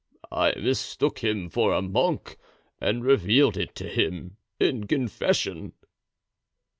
"I mistook him for a monk and revealed it to him in confession."